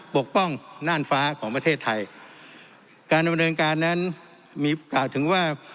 กป้องน่านฟ้าของประเทศไทยการดำเนินการนั้นมีกล่าวถึงว่า